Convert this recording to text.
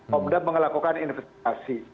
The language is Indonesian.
komda melakukan investigasi